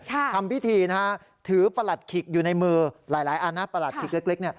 ทำพิธีนะฮะถือประหลัดขิกอยู่ในมือหลายอันนะประหลัดขิกเล็ก